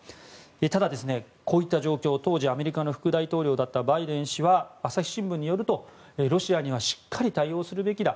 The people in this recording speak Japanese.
ただ、こういった状況当時、アメリカの副大統領だったバイデン氏は朝日新聞によるとロシアには対応するべきだ。